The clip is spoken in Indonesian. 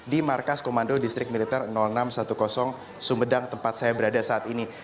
di markas komando distrik militer enam ratus sepuluh sumedang tempat saya berada saat ini